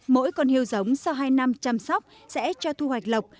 mỗi con hưu giống sau hai năm chăm sóc sẽ cho thu hoạch lọc